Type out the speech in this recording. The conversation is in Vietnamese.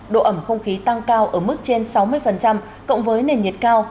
độ ẩm không khí tăng cao ở mức trên sáu mươi cộng với nền nhiệt cao